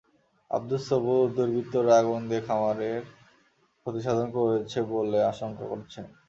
আবদুর ছবুর দুর্বৃত্তরা আগুন দিয়ে খামারের ক্ষতিসাধন করেছে বলে আশঙ্কা করছেন।